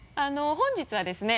本日はですね